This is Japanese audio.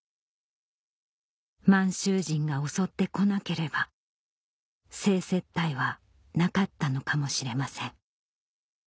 満州人が襲って来なければ性接待はなかったのかもしれません